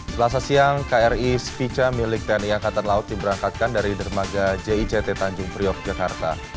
selasa siang kri spica milik tni angkatan laut diberangkatkan dari dermaga jict tanjung priok jakarta